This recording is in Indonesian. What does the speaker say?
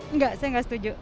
enggak saya enggak setuju